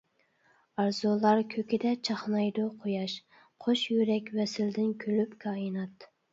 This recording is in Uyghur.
ئارزۇلار كۆكىدە چاقنايدۇ قۇياش، قوش يۈرەك ۋەسلىدىن كۈلۈپ كائىنات.